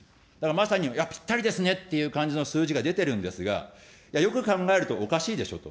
まさにぴったりですねという感じの数字が出てるんですが、よく考えるとおかしいでしょと。